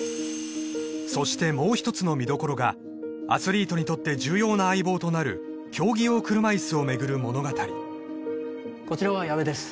そしてもう一つの見どころがアスリートにとって重要な相棒となる競技用車いすをめぐる物語こちらは矢部です